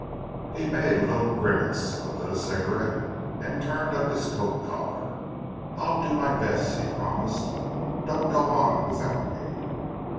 He made a little grimace, but lit a cigarette and turned up his coat collar. "I'll do my best," he promised. "Don't go on without me."